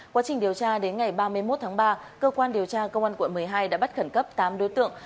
quá trình điều tra đến ngày ba mươi một tháng ba cơ quan điều tra công an quận một mươi hai đã bắt khẩn cấp tám đối tượng